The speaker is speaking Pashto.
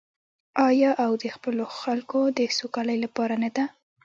آیا او د خپلو خلکو د سوکالۍ لپاره نه ده؟